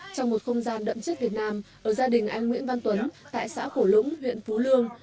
trong một không gian đậm chất việt nam ở gia đình anh nguyễn văn tuấn tại xã cổ lũng huyện phú lương